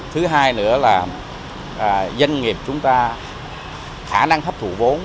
thứ hai nữa là doanh nghiệp chúng ta khả năng thấp thủ vốn